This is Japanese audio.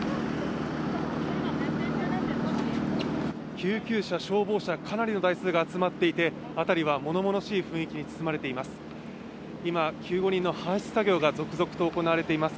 救急車、消防車、かなりの台数が集まっていて辺りは物々しい雰囲気に包まれています。